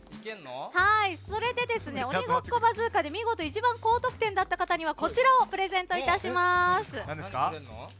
「鬼ごっこバズーカ」で見事、一番高得点だった方にはこちらをプレゼントいたします。